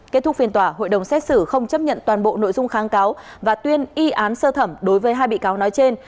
kết thúc phiên tòa hội đồng xét xử không chấp nhận toàn bộ nội dung kháng cáo và tuyên y án sơ thẩm đối với hai bị cáo nói trên